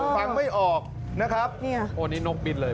ฟังไม่ออกนะครับ